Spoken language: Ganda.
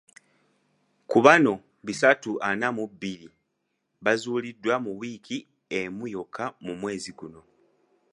Ku bano bisatu ana mu bbiri bazuuliddwa mu wiiki emu yokka omwezi guno.